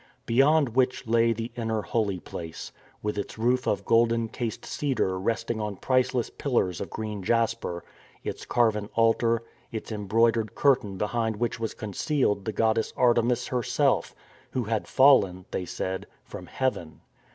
Beyond which lay the inner holy place, with its roof of golden cased cedar resting on priceless pillars of green jasper, its carven altar, its embroidered curtain behind which was concealed the goddess Artemis herself, who had fallen — ^they said — from heaven.